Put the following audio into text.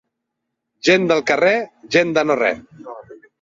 Gent de carrer, gent de no res.